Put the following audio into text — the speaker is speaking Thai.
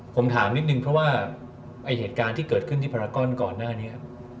ผมถามนิดนึงเพราะว่าไอ้เหตุการณ์ที่เกิดขึ้นที่พารากอนก่อนหน้านี้